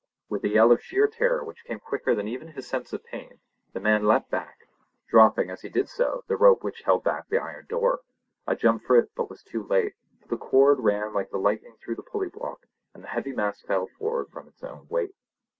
With a yell of sheer terror which came quicker than even his sense of pain, the man leaped back, dropping as he did so the rope which held back the iron door. I jumped for it, but was too late, for the cord ran like lightning through the pulley block, and the heavy mass fell forward from its own weight.